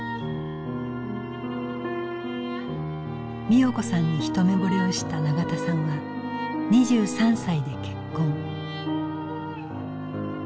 美代子さんに一目ぼれをした永田さんは２３歳で結婚。